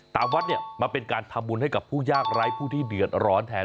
ตามวัดเนี่ยมาเป็นการทำบุญให้กับผู้ยากไร้ผู้ที่เดือดร้อนแทน